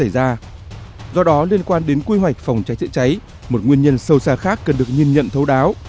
do đó liên quan đến quy hoạch phòng cháy chữa cháy một nguyên nhân sâu xa khác cần được nhìn nhận thấu đáo